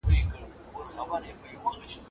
کله باید له کاري فشار څخه د خلاصون هڅه وکړو؟